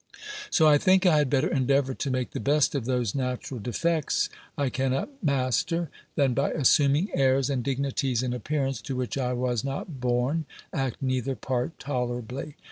So I think I had better endeavour to make the best of those natural defects I cannot master, than, by assuming airs and dignities in appearance, to which I was not born, act neither part tolerably.